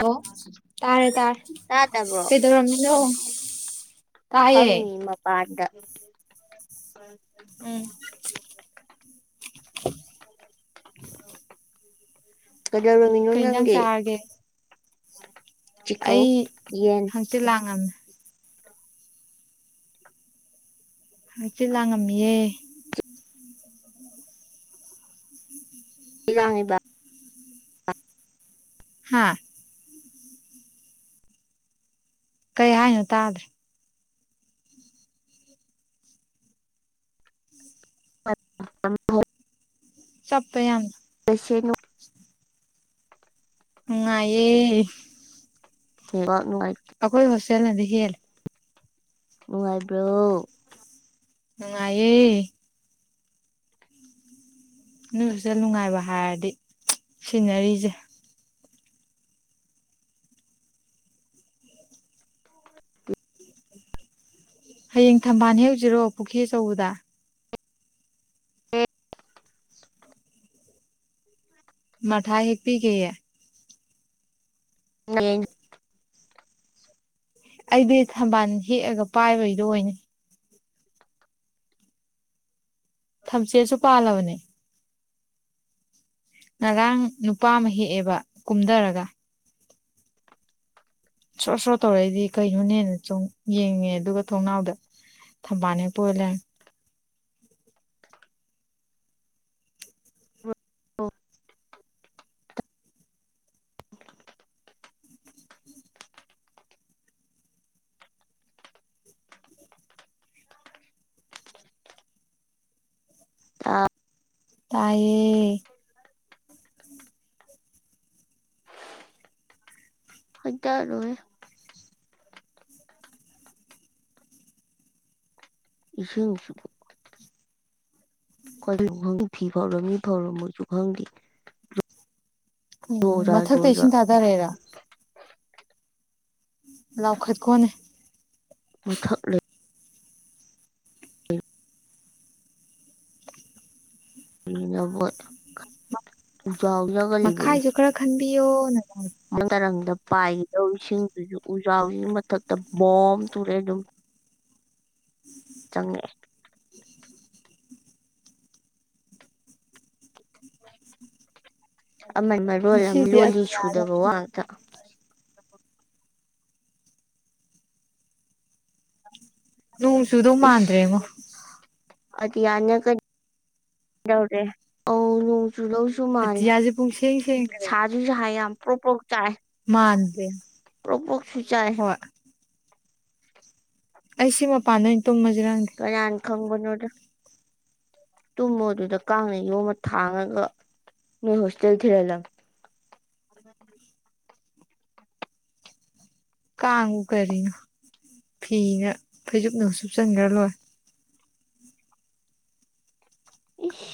ꯑꯣ ꯇꯥꯔꯦ ꯇꯥꯔꯦ ꯇꯥꯗꯕ꯭ꯔꯣ ꯀꯩꯗꯧꯔꯝꯃꯤꯅꯣ ꯐꯝꯃꯤ ꯇꯥꯏꯌꯦ ꯃꯄꯥꯟꯗ ꯎꯝ ꯀꯩꯗꯧꯔꯝꯃꯤꯅꯣ ꯀꯩ ꯏꯟꯖꯥꯡ ꯅꯪꯗꯤ ꯆꯥꯔꯒꯦ ꯆꯤꯀꯧ ꯑꯩ ꯌꯦꯟ ꯍꯪꯆꯤꯠ ꯂꯥꯡꯉꯝꯅꯦ ꯍꯥꯏꯆꯦ ꯂꯥꯡꯉꯝꯃꯤꯌꯦ ꯂꯥꯡꯉꯤꯕ ꯍꯥꯥ ꯀꯩ ꯍꯥꯏꯅꯣ ꯇꯥꯗ꯭ꯔꯦ [unintelligible] ꯆꯞꯄ ꯌꯥꯝ [unintelligible] ꯅꯨꯉꯏꯌꯦ ꯅꯦꯠꯋꯥꯛ ꯅꯨꯡꯉꯥꯏꯇꯦ ꯑꯈꯣꯏ ꯍꯁꯦꯂꯗꯤꯦꯜꯂꯤ ꯎꯅꯨꯡꯥꯏꯔꯤꯕ꯭ꯔꯣ ꯅꯨꯡꯉꯥꯏꯌꯦ ꯅꯣꯏꯁꯨꯁ ꯅꯨꯡꯉꯥꯏꯕ ꯍꯥꯏꯔꯗꯤ ꯁꯤꯅꯔꯤꯁꯦ ꯍꯌꯦꯡ ꯊꯝꯕꯥꯜ ꯍꯦꯛ ꯎꯖꯤꯔꯣ ꯄꯨꯈ꯭ꯔꯤ ꯑꯆꯧꯕꯗ ꯃꯊꯏ ꯍꯦꯛꯄꯤꯒꯦꯌꯦ ꯎ ꯑꯩꯗꯤ ꯊꯝꯕꯥꯜ ꯍꯦꯛꯑꯒ ꯄꯥꯏꯕꯩꯗꯣ ꯑꯣꯏꯅꯤ ꯊꯝꯆꯦꯠꯁꯨ ꯄꯥꯜꯂꯕꯅꯦ ꯉꯔꯥꯡ ꯅꯨꯄꯥ ꯑꯃ ꯍꯦꯛꯑꯦꯕ ꯀꯨꯝꯊꯔꯒ ꯁ꯭ꯔꯣ ꯁ꯭ꯔꯣ ꯇꯧꯔꯛꯏꯗꯤ ꯀꯩꯅꯣꯅꯦꯅ ꯁꯨꯝ ꯌꯦꯡꯉꯦ ꯑꯗꯨꯒ ꯊꯣꯡꯅꯥꯎꯗ ꯊꯝꯕꯥꯜ ꯍꯦꯛꯄ ꯑꯣꯏ ꯂꯩꯔꯝꯃꯦ ꯑꯣ ꯇꯥꯏꯌꯦ [unintelligible] [unintelligible] ꯈ ꯈꯪꯗꯦ ꯐꯤ ꯐꯥꯎꯔ ꯃꯤ ꯐꯥꯎꯔ ꯃꯣꯏꯁꯨ ꯈꯪꯗꯦ ꯎꯝ ꯖꯣꯖꯥ ꯃꯊꯛꯇ ꯖꯣꯖꯥ ꯏꯁꯤꯡꯟ ꯊꯥꯗꯔꯦꯔꯥ ꯂꯧꯎꯈꯠꯀꯣꯅꯦ ꯃꯨꯊꯛꯂꯦ [unintelligible] ꯃꯈꯥꯏꯁꯨ ꯈꯔ ꯈꯟꯕꯤꯌꯣ ꯅ ꯃꯔꯝꯗ ꯄꯥꯏꯒꯗꯧ ꯏꯁꯤꯡꯗꯨꯁꯨ ꯎꯖꯥꯎꯁꯤꯒꯤ ꯃꯊꯛꯇ ꯕꯣꯝ ꯇꯨꯔꯑꯦ ꯑꯗꯨꯝ ꯆꯪꯉꯛꯑꯦ ꯑꯃꯟ ꯃꯔꯣꯜ ꯑꯃ ꯉꯁꯤꯗꯤ ꯂꯣꯜꯂꯤ ꯑꯇꯤꯌꯥꯁꯦ ꯁꯨꯗꯕ ꯋꯥ ꯉꯥꯛꯇ ꯅꯣꯡ ꯆꯨꯗꯧ ꯏꯁ ꯃꯥꯟꯗ꯭ꯔꯦꯉꯣ [unintelligible] ꯁꯨ ꯃꯥꯜꯂꯦ ꯑꯇꯤꯌꯥꯁꯦ ꯄꯨꯡꯁꯦꯡ ꯁꯦꯡꯈ꯭ꯔꯦ ꯁꯥꯁꯨꯁꯨꯥꯏ ꯌꯥꯝ ꯄ꯭ꯔꯣꯛ ꯄ꯭ꯔꯣꯛ ꯆꯥꯛ ꯑꯦ ꯃꯥꯗꯦ ꯆꯥꯏ ꯍꯣꯏ ꯑꯩꯁꯤꯃ ꯄꯥꯟ ꯀꯩꯅ ꯑꯟ ꯈꯪꯕꯅꯣꯗ ꯇꯨꯝꯃꯣ ꯑꯗꯨꯗ ꯀꯥꯡꯅ ꯌꯣꯝꯃ ꯊꯥꯡꯉꯒ ꯅꯣꯏ ꯍꯣꯁꯇꯦꯜ ꯊꯤꯜꯍꯜꯂꯛꯀꯦ ꯎꯝ ꯀꯥꯡꯕꯨ ꯀꯔꯤꯅꯣ ꯐꯤꯅ ꯐꯩꯖꯨꯞꯅ ꯁꯨꯞꯆꯟꯈ꯭ꯔ ꯂꯣꯏꯔ ꯏꯁ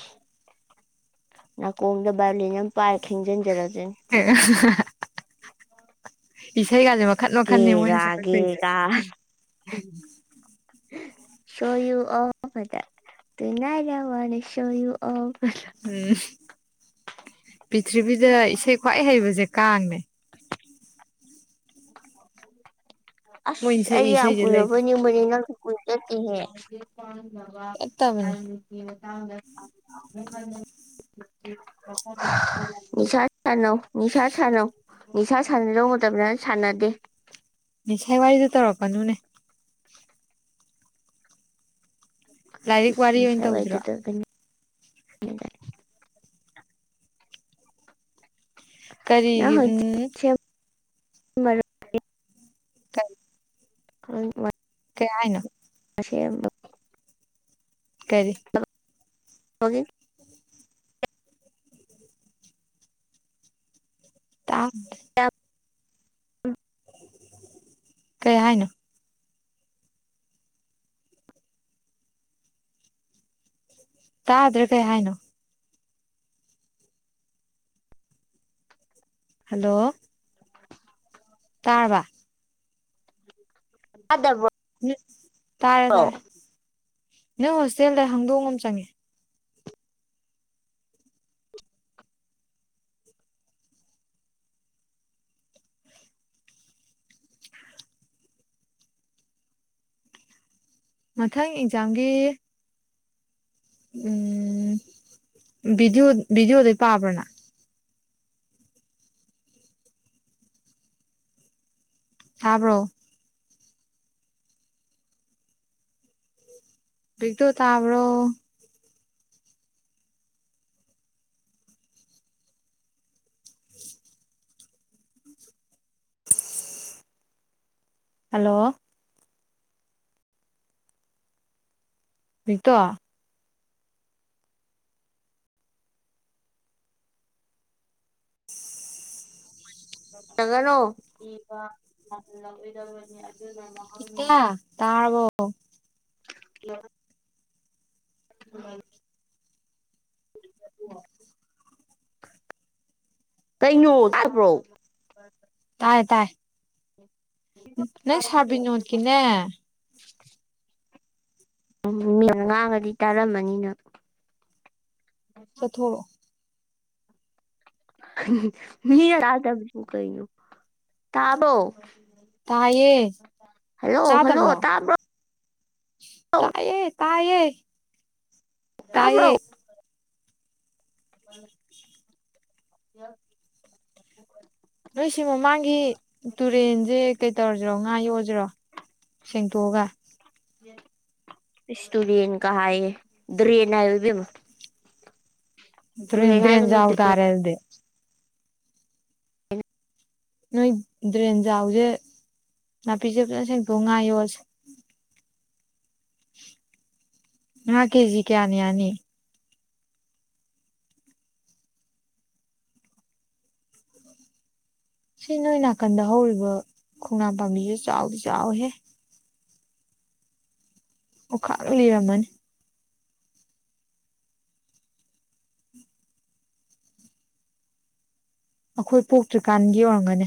ꯅꯥꯀꯣꯡꯗ ꯕꯥꯏꯌꯑꯣꯂꯣꯅꯤꯌꯝ ꯄꯥꯔꯛ ꯍꯤꯡꯖꯤꯟꯖꯔꯁꯤꯟ [unintelligible] [unintelligible] ꯒꯦ ꯃꯣꯏꯅ ꯒꯥ ꯒꯦ ꯁꯛꯂꯛꯇꯣꯏꯁꯦ ꯒꯥ [unintelligible] [unintelligible] ꯎꯝ ꯄ꯭ꯔꯤꯊꯤꯕꯤꯗ ꯏꯁꯩ ꯈ꯭ꯋꯥꯏ ꯍꯩꯕꯁꯦ ꯀꯥꯡꯅꯦ ꯑꯁ ꯃꯣꯏꯅ ꯁꯛꯏ ꯑꯩ ꯌꯥꯝ ꯏꯁꯩꯁꯦ ꯂꯩ ꯀꯨꯏꯔꯕꯣꯏ ꯅꯤꯡ ꯃꯔꯤꯅꯥꯀꯤ ꯍ ꯆꯠꯇꯕꯅꯤ [unintelligible] ꯅꯤꯁꯥ ꯁꯅꯧ ꯅꯤꯁꯥ ꯁꯅꯧ ꯅꯤꯁꯥ ꯁꯥꯟꯅꯗꯧꯕ ꯃꯇꯝꯗ ꯁꯥꯟꯅꯗꯦ ꯅꯤꯡꯁꯥꯏ ꯋꯥꯔꯤꯗꯨ ꯇꯧꯔꯛꯀꯅꯨꯅꯦ ꯂꯥꯏꯔꯤꯛ ꯏꯁ ꯋꯥꯔꯤ ꯅꯤꯁꯥ ꯑꯣꯏꯅ ꯇꯧꯁꯤꯔꯣ ꯋꯥꯏꯗꯨꯗꯒꯅꯤ ꯀꯔꯤꯒꯤ ꯎꯝ [unintelligible] [unintelligible] ꯀꯩ ꯍꯥꯏꯅꯣ ꯑꯁꯦꯝꯕ ꯀꯔꯤ [unintelligible] ꯇꯥꯠ ꯎꯝ ꯀꯩ ꯍꯥꯏꯅꯣ ꯇꯥꯗ꯭ꯔꯦ ꯀꯩ ꯍꯥꯏꯅꯣ ꯍꯜꯂꯣ ꯇꯥꯔꯕ ꯇꯥꯗꯕ꯭ꯔꯣ ꯇꯥꯔꯦ ꯇꯥꯔꯦ ꯅꯪ ꯍꯣꯁꯇꯦꯜꯗ ꯍꯪꯗꯣꯡ ꯑꯃ ꯆꯪꯉꯦ ꯃꯊꯪ ꯑꯦꯛꯖꯥꯝꯒꯤ ꯎꯝ ꯚꯤꯗꯤꯑꯣ ꯚꯤꯗꯤꯑꯣꯗꯩ ꯄꯥꯕ꯭ꯔꯅꯪ ꯇꯥꯕ꯭ꯔꯣ ꯚꯤꯛꯇꯣ ꯇꯥꯕ꯭ꯔꯣ ꯍꯜꯂꯣ ꯚꯤꯛꯇꯣ [unintelligible] ꯇꯥꯔꯕꯣ [unintelligible] ꯀꯩꯩꯅꯣ ꯇꯥꯕ꯭ꯔꯣ ꯇꯥꯏ ꯇꯥꯏ ꯅꯪ ꯁꯔ ꯕꯤꯅꯣꯠꯀꯤꯅꯦ ꯎꯝ ꯃꯤ ꯉꯥꯡꯉꯗꯤ ꯇꯥꯔꯝꯃꯅꯤ ꯅꯪ ꯊꯣꯛꯂꯣ ꯃꯤꯅ ꯇꯗꯕꯁꯨ ꯀꯩꯅꯣ ꯇꯥꯕ꯭ꯔꯣ ꯇꯥꯏꯌꯦ ꯍꯜꯂꯣ ꯍꯜꯂꯣ ꯇꯥꯗꯕ꯭ꯔꯣ ꯇꯥꯕ꯭ꯔꯣ ꯇꯥꯏꯌꯦ ꯇꯥꯏꯌꯦ ꯇꯥꯏꯌꯦ ꯇꯥꯕ꯭ꯔꯣ [inaudible] ꯅꯣꯏꯁꯤ ꯃꯃꯥꯡꯒꯤ ꯇꯨꯔꯦꯟꯁꯦ ꯀꯩꯇꯧꯔꯁꯤꯔꯣ ꯉꯥ ꯌꯣꯛꯑꯁꯤꯔꯣ ꯁꯦꯡꯇꯣꯛ ꯑꯒ ꯏꯁ ꯇꯨꯔꯦꯟ ꯀꯥ ꯍꯥꯏꯌꯦ ꯗ꯭ꯔꯦꯟ ꯍꯥꯏꯌꯨ ꯏꯕꯦꯝꯃ ꯗ꯭ꯔꯦꯟ ꯇꯨꯔꯦꯟ ꯍꯥꯏꯒꯅꯨ ꯗ꯭ꯔꯦꯟꯖꯥꯎ ꯇꯥꯔꯦ ꯑꯗꯨꯗꯤ ꯅꯣꯏ ꯗ꯭ꯔꯦꯟ ꯖꯥꯎꯁꯦ ꯅꯥꯄꯤꯁꯦ ꯐꯖꯅ ꯁꯦꯡꯇꯣꯛ ꯑꯥ ꯉꯥ ꯌꯣꯛ ꯑꯁꯦ ꯉꯥ ꯀꯦꯖꯤ ꯀꯌꯥꯅ ꯌꯥꯅꯤ ꯁꯤ ꯅꯣꯏ ꯅꯥꯀꯟꯗ ꯍꯧꯔꯤꯕ ꯈꯣꯡꯅꯥꯡ ꯄꯥꯝꯕꯤꯁꯦ ꯆꯥꯎꯗꯤ ꯆꯥꯎꯋꯤꯍꯦ ꯑꯣꯈꯥꯛ ꯂꯤꯔꯝꯃꯅꯤ ꯑꯩꯈꯣꯏ ꯄꯣꯛꯇ꯭ꯔꯤꯀꯥꯟꯒꯤ ꯑꯣꯏꯔꯝꯒꯅꯤ